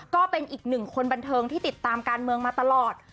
ก็เป็นอีกหนึ่งคนบันเทิงที่ติดตามการเมืองมาตลอด